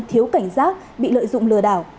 thiếu cảnh giác bị lợi dụng lừa đảo